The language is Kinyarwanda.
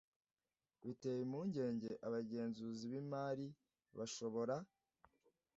biteye impungenge abagenzuzi b imari bashobora